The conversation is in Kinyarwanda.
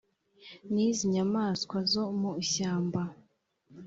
n iz inyamaswa zo mu ishyamba